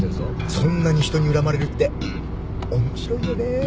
そんなに人に恨まれるって面白いよね。